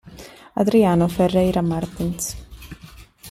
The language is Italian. Adriano Ferreira Martins